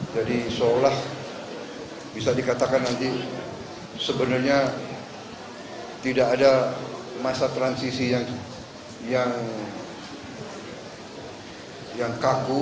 jadi seolah bisa dikatakan nanti sebenarnya tidak ada masa transisi yang kaku